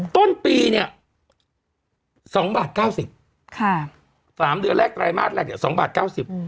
ต้นปีเนี้ยสองบาทเก้าสิบค่ะสามเดือนแรกไตรมาสแรกเนี่ยสองบาทเก้าสิบ